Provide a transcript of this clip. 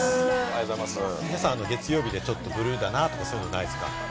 月曜日でちょっとブルーだなとか、そういうことないですか？